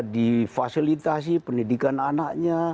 di fasilitasi pendidikan anaknya